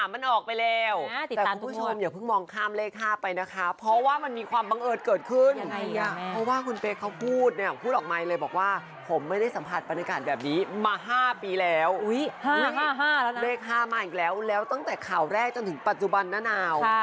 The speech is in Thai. มันออกไปแล้วแล้วมันออกซ้ำได้เปล่า